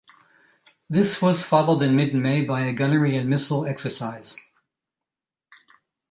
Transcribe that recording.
This was followed in mid-May by a gunnery and missile exercise.